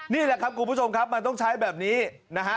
นี่แหละครับคุณผู้ชมครับมันต้องใช้แบบนี้นะฮะ